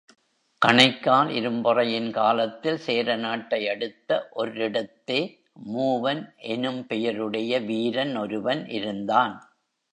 கணைக்கால் இரும்பொறையின் காலத்தில், சேர நாட்டை அடுத்த ஒர் இடத்தே, மூவன் எனும் பெயருடைய வீரன் ஒருவன் இருந்தான்.